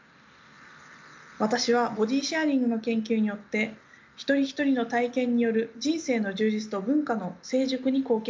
私はボディシェアリングの研究によって一人一人の体験による人生の充実と文化の成熟に貢献したいと考えています。